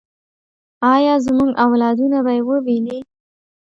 آیا زموږ اولادونه به یې وویني؟